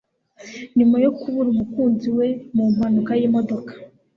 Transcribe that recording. nyuma yo kubura umukunzi we mu mpanuka y'imodoka.